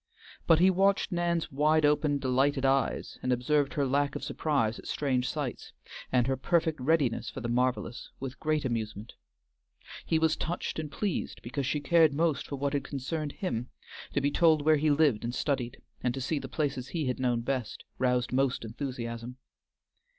But he watched Nan's wide open, delighted eyes, and observed her lack of surprise at strange sights, and her perfect readiness for the marvelous, with great amusement. He was touched and pleased because she cared most for what had concerned him; to be told where he lived and studied, and to see the places he had known best, roused most enthusiasm.